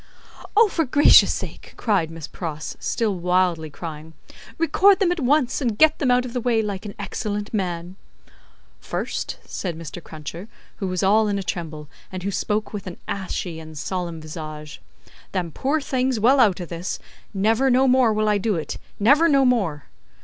"Oh, for gracious sake!" cried Miss Pross, still wildly crying, "record them at once, and get them out of the way, like an excellent man." "First," said Mr. Cruncher, who was all in a tremble, and who spoke with an ashy and solemn visage, "them poor things well out o' this, never no more will I do it, never no more!"